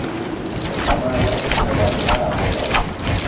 Kamano e bath ndara mondo